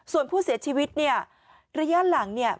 ส่วนผู้เสียชีวิตเนี่ยระยะหลังเนี่ย